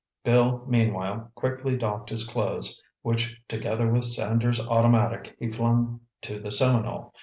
Bill meanwhile quickly doffed his clothes, which together with Sanders' automatic he flung to the Seminole.